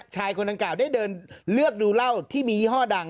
ชายคนดังกล่าวได้เดินเลือกดูเหล้าที่มียี่ห้อดัง